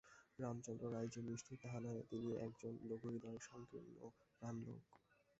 রামচন্দ্র রায় যে নিষ্ঠুর তাহা নহে, তিনি এক জন লঘুহৃদয়, সংকীর্ণপ্রাণ লোক।